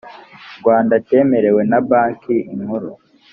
rwanda cyemerewe na banki nkuru